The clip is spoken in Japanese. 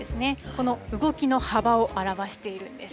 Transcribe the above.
この動きの幅を表しているんです。